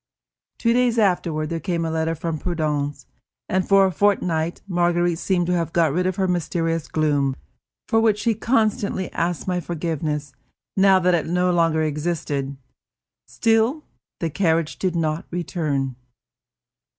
Two days afterward there came a letter from Prudence, and for a fortnight Marguerite seemed to have got rid of her mysterious gloom, for which she constantly asked my forgiveness, now that it no longer existed. Still, the carriage did not return.